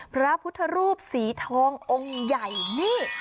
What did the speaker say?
พระพุทธรูปสีทององค์ใหญ่นี่